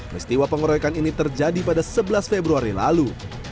pestiwa pengorakan ini terjadi pada sebelas februari lalu